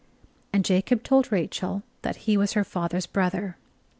And Jacob told Rachel that he was her father's brother.